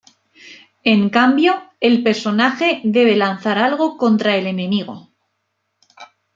En cambio, el personaje debe lanzar algo contra el enemigo.